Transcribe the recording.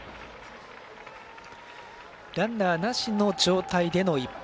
ランナーなしの状態での一発。